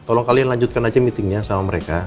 tolong kalian lanjutkan aja meetingnya sama mereka